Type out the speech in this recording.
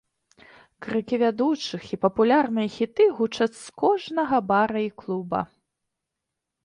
Крыкі вядучых і папулярныя хіты гучаць з кожнага бара і клуба.